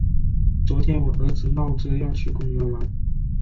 昨天我儿子闹着要去公园玩。